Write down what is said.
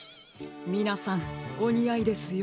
みなさんおにあいですよ。